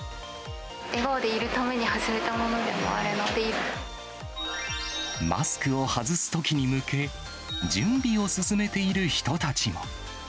笑顔でいるために始めたものマスクを外すときに向け、準備を進めている人たちも。